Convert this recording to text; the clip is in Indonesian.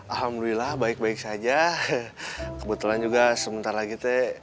alhamdulillah baik baik saja kebetulan juga sementara gitu